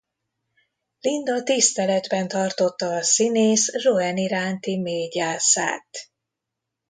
Linda tiszteletben tartotta a színész Joan iránti mély gyászát.